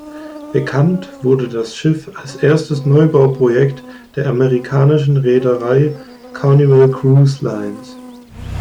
Bekannt wurde das Schiff als erstes Neubauprojekt der amerikanischen Reederei Carnival Cruise Lines.